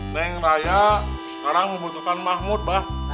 neng raya sekarang membutuhkan mahmud mbak